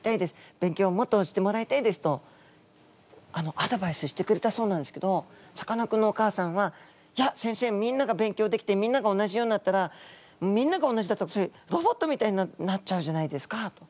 勉強をもっとしてもらいたいです」とアドバイスしてくれたそうなんですけどさかなクンのお母さんは「いや先生みんなが勉強できてみんなが同じようになったらみんなが同じだったらそれロボットみたいになっちゃうじゃないですか」と。